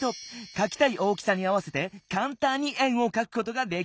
かきたい大きさに合わせてかんたんに円をかくことができるんだ。